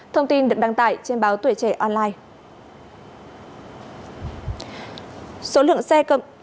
thông tin được đăng tải trên báo tuổi trẻ online